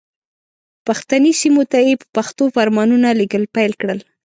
پښتني سیمو ته یې په پښتو فرمانونه لېږل پیل کړل.